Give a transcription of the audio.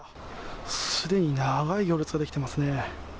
すでに長い行列が出来てますね。